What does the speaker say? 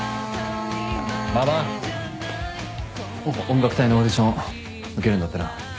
音楽隊のオーディション受けるんだってな。